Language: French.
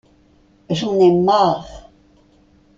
J’en ai marre !